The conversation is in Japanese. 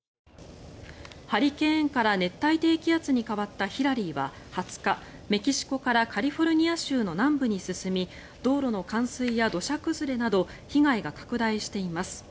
ハリケーンから熱帯低気圧に変わったヒラリーは２０日メキシコからカリフォルニア州の南部に進み道路の冠水や土砂崩れなど被害が拡大しています。